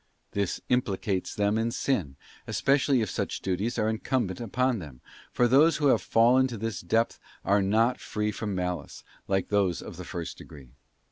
* This implicates them in sin, especially if such duties are incumbent upon them, for those who have fallen to this depth are not free from malice, like those of the first degree.